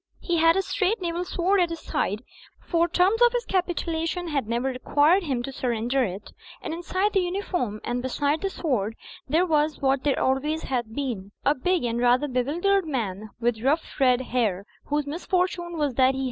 He had a straight naval sword at his side ; for e terms of his capitulation had never required him to surrender it ; and inside the uniform and beside the sword there was what there always had been, a big and rather bewildered man with rough red hair, whose misfortune was that he!